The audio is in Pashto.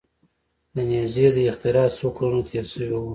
د نیزې د اختراع څو کلونه تیر شوي وو.